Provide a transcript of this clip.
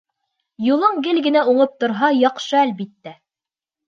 Юлың гел генә уңып торһа, яҡшы, әлбиттә.